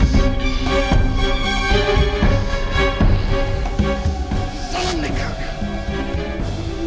siapa memandai padu aku